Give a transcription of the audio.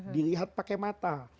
dilihat pakai mata